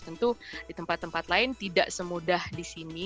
tentu di tempat tempat lain tidak semudah di sini